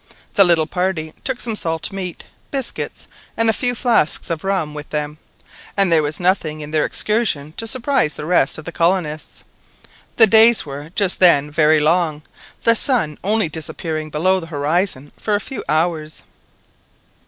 The little party took some salt meat, biscuits, and a few flasks of rum with them, and there was nothing in their excursion to surprise the rest of the colonists. The days were just then very long, the sun only disappearing below the horizon for a few hours.